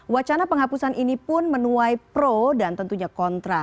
wacana penghapusan ini pun menuai pro dan tentunya kontra